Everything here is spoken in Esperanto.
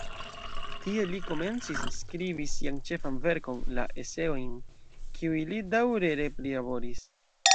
Tie li komencis skribi sian ĉefan verkon, la "Eseojn", kiujn li daŭre re-prilaboris.